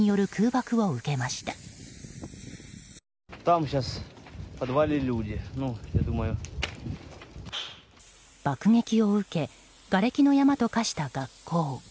爆撃を受けがれきの山と化した学校。